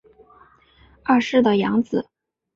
二世的养子。